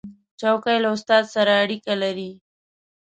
چوکۍ له استاد سره اړیکه لري.